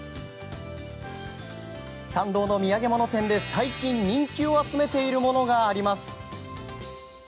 参道の土産物店で最近、人気を集めているものがあります。